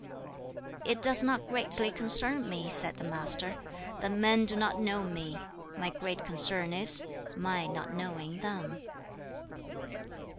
"It does not greatly concern me," said the Master, "that men do not know me; my great concern is, my not knowing them."